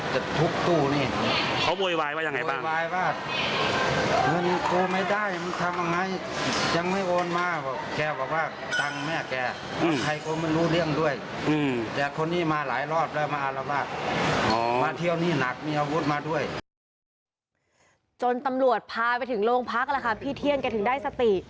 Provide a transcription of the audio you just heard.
จนตำรวจพาไปถึงโรงพักแล้วค่ะพี่เที่ยงแกถึงได้สติ